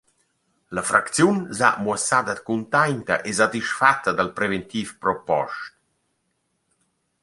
La fracziun s’ha muossada cuntainta e satisfatta dal preventiv propost.